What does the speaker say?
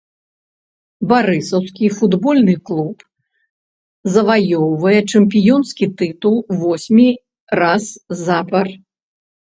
Барысаўскі футбольны клуб заваёўвае чэмпіёнскі тытул восьмы раз запар.